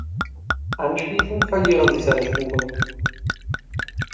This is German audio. Anschließend verlieren sich seine Spuren.